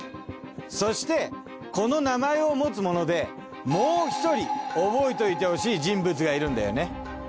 そしてこの名前を持つ者でもう１人覚えておいてほしい人物がいるんだよね。